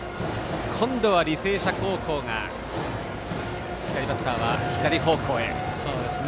今度は履正社高校が左バッターは左方向へ。